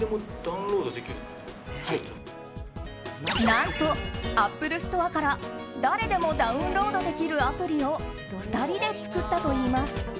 何とＡｐｐｌｅＳｔｏｒｅから誰でもダウンロードできるアプリを２人で作ったといいます。